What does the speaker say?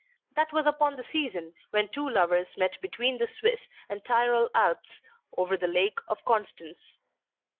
That was upon the season when two lovers met between the Swiss and Tyrol Alps over the Lake of Constance.